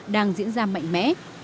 đang diễn ra mạnh mẽ